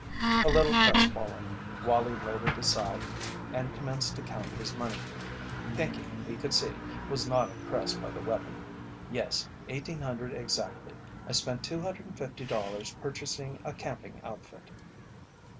A little crest fallen, Wallie laid it aside and commenced to count his money. Pinkey, he could see, was not impressed by the weapon. "Yes, eighteen hundred exactly. I spent $250 purchasing a camping outfit."